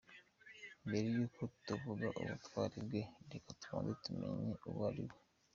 Mbere y’uko tuvuga ubutwari bwe, reka tubanze tumenye uwo yari we.